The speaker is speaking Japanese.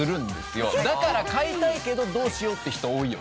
だから買いたいけどどうしよう？って人多いよね。